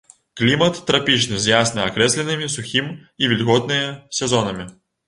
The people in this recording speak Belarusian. Клімат трапічны з ясна акрэсленымі сухім і вільготныя сезонамі.